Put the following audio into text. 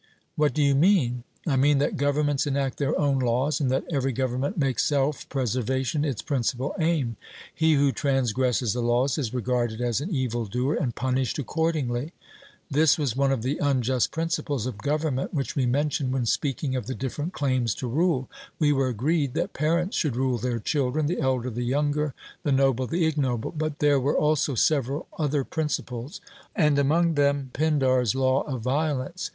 'What do you mean?' I mean that governments enact their own laws, and that every government makes self preservation its principal aim. He who transgresses the laws is regarded as an evil doer, and punished accordingly. This was one of the unjust principles of government which we mentioned when speaking of the different claims to rule. We were agreed that parents should rule their children, the elder the younger, the noble the ignoble. But there were also several other principles, and among them Pindar's 'law of violence.'